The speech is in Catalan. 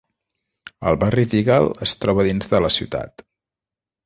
El barri d'Eagle es troba dins de la ciutat.